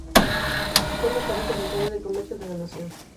Fue más tarde Secretario de Comercio de la Nación.